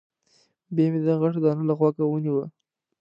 بیا مې دا غټه دانه له غوږه ونیوه.